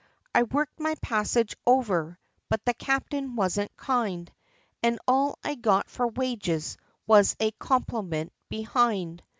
I worked my passage over, but the captain wasn't kind, And all I got for wages, was a compliment behind!